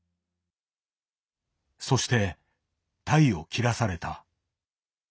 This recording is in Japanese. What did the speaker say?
そしてタイを切らされた。